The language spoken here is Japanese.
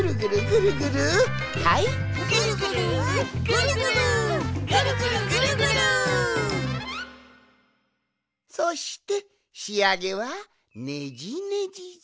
「ぐるぐるぐるぐるぐるぐるぐるぐる」そしてしあげはねじねじじゃ。